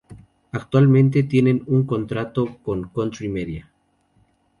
Actualmente tienen un contrato con Century Media.